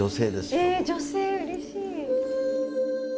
ええ女性うれしい。